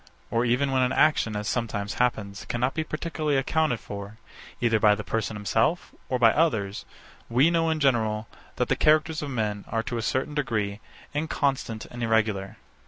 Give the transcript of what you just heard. Or even when an action, as sometimes happens, cannot be particularly accounted for, either by the person himself or by others; we know, in general, that the characters of men are, to a certain degree, inconstant and irregular.